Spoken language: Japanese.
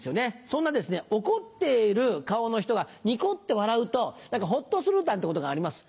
そんな怒っている顔の人がニコって笑うと何かホッとするなんてことがあります。